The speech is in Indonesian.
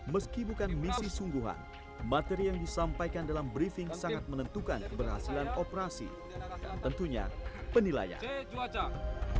meski bukan misi sungguhan materi yang disampaikan dalam briefing sangat menentukan keberhasilan operasi dan tentunya penilaian